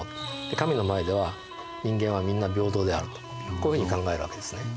神の前では人間はみんな平等であるとこういうふうに考えるわけですね。